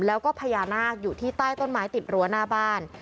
แล้วก็พญานาคอยู่ที่ใต้ต้นไม้ติดรั้วหน้าบ้าน